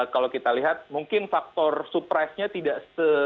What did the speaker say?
kalau kita lihat mungkin faktor surprise nya tidak se